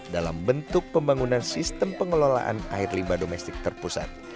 dalam bentuk pembangunan sistem pengelolaan air limba domestik terpusat